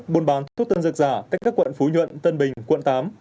buôn bán thuốc tân dược giả cách các quận phú nhuận tân bình quận tám